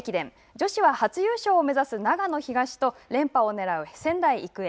女子は、初優勝を目指す長野東と連覇をねらう仙台育英。